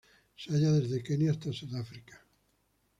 Se halla desde Kenia hasta Sudáfrica.